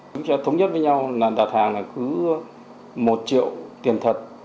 chúng ta thống nhất với nhau là đặt hàng là cứ một triệu tiền thật